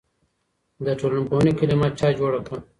د ټولنپوهنې کلمه چا جوړه کړه؟